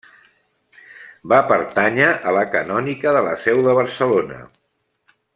Va pertànyer a la canònica de la seu de Barcelona.